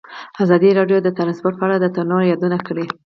ازادي راډیو د ترانسپورټ په اړه د ننګونو یادونه کړې.